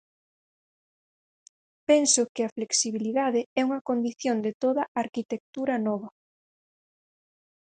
Penso que a flexibilidade é unha condición de toda arquitectura nova.